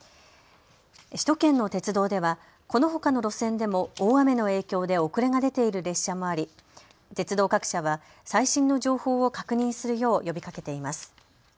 首都圏の鉄道ではこのほかの路線でも大雨の影響で遅れが出ている列車もあり鉄道各社は最新の情報を確認するよう呼びかけています。